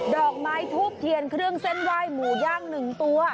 ดอกไม้ทูบเทียนเครื่องเส้นไหว้หมูย่าง๑ตัว